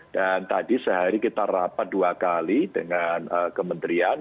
dan tadi sehari kita rapat dua kali dengan kementerian